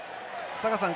坂田さん。